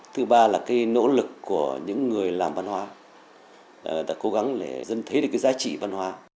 thứ ba là nỗ lực của những người làm văn hóa cố gắng để dân thấy được giá trị văn hóa